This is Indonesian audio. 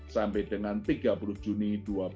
sampai dengan tiga puluh juni dua ribu dua puluh